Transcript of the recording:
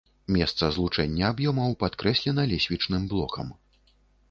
Месца злучэння аб'ёмаў падкрэслена лесвічным блокам.